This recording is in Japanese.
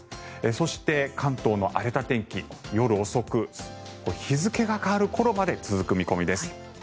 そして、関東の荒れた天気夜遅く日付が変わる頃まで続く見込みです。